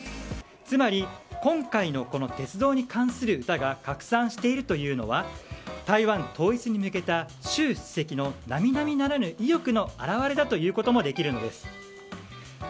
つまり今回の鉄道に関する歌が拡散しているというのは台湾統一に向けた習主席の並々ならぬ意欲の表れだということも言えることができるんです。